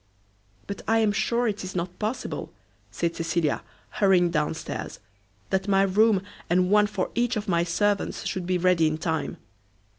"But I am sure it is not possible," said Cecilia, hurrying down stairs, "that my room, and one for each of my servants, should be ready in time."